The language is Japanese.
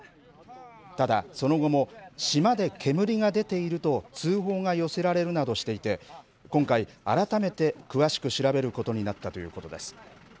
ただその後も島で煙が出ていると通報が寄せられるなどしていて今回、改めて詳しく調べることになったということです。